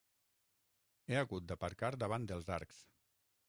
He hagut d'aparcar davant dels arcs.